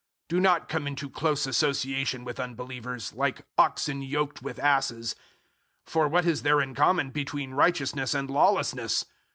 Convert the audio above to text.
006:014 Do not come into close association with unbelievers, like oxen yoked with asses. For what is there in common between righteousness and lawlessness?